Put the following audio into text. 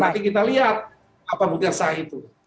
nanti kita lihat apa bukti yang sah itu